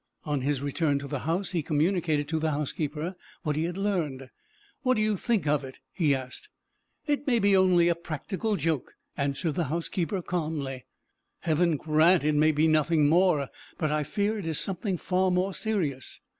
On his return to the house he communicated to the housekeeper what he had learned. "What do you think of it?" he asked. "It may be only a practical joke," answered the housekeeper calmly. "Heaven grant it may be nothing more! But I fear it is something far more serious."